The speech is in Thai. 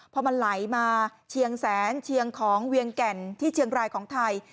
พอมันไหลมาเชียงแสนเชียงของเวียงแก่นที่เชียงรายของไทย